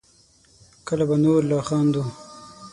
کله به نور لا خندوو